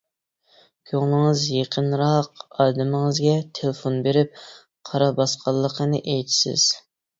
كۆڭلىڭىز يېقىنراق ئادىمىڭىزگە تېلېفون بېرىپ، قارا باسقانلىقىنى ئېيتىسىز.